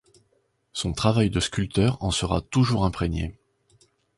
Son travail de sculpteur en sera toujours imprégné.